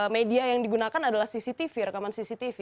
media yang digunakan adalah cctv